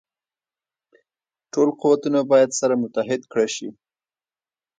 ټول قوتونه باید سره متحد کړه شي.